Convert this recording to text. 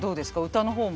歌の方も。